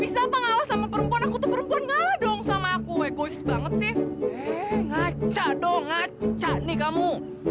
saya gak butuh kok pertolongan kamu